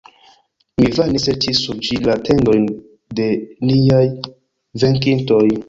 Mi vane serĉis sur ĝi la tendojn de niaj venkintoj.